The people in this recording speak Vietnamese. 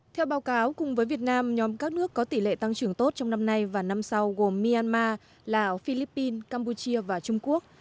theo báo cáo cùng với việt nam nhóm các nước có tỷ lệ tăng trưởng tốt trong năm nay và năm sau gồm myanmar lào philippines campuchia và trung quốc